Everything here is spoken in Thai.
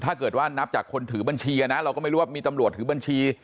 ถ้าเกิดว่านับจากคนถือบัญชีนะเราก็ไม่รู้ว่ามีตำรวจถือบัญชี